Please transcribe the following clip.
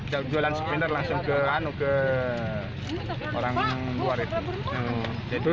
jauh jualan spinner langsung ke orang luar itu